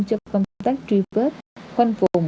cho công tác tri vết khoanh vùng